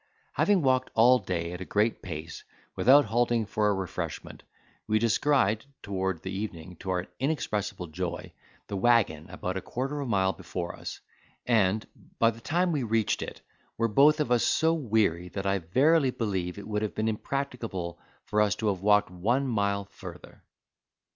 Having walked all day at a great pace, without halting for a refreshment, we descried, toward the evening, to our inexpressible joy, the waggon about a quarter of a mile before us; and, by that time we reached it, were both of us so weary that I verily believe it would have been impracticable for us to have walked one mile farther.